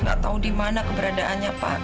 nggak tahu di mana keberadaannya pak